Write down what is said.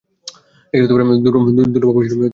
দুর্লভ অবসরে অমিত তাকে দেখলে।